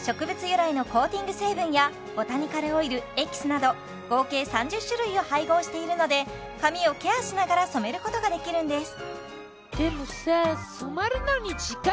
由来のコーティング成分やボタニカルオイルエキスなど合計３０種類を配合しているので髪をケアしながら染めることができるんです